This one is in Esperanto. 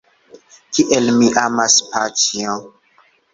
Kiel mi amas paĉjon!